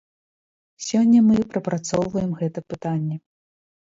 Сёння мы прапрацоўваем гэта пытанне.